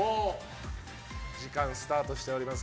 時間スタートしております。